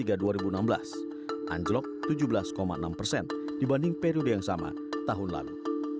anjlok tujuh belas enam persen dibanding periode yang sama tahun lalu